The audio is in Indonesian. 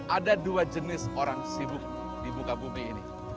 ada dua jenis orang sibuk di buka bumi ini